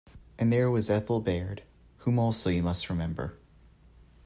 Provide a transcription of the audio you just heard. And there was Ethel Baird, whom also you must remember.